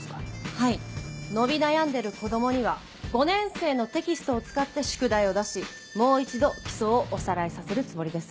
はい伸び悩んでる子供には５年生のテキストを使って宿題を出しもう一度基礎をおさらいさせるつもりです。